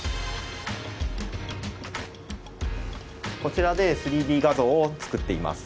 こちらで３Ｄ画像を作っています。